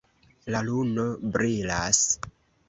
La luno brilas.